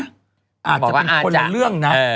อาจจะเป็นคนละเรื่องนะ